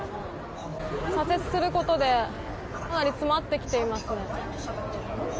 左折することでかなり詰まってきていますね。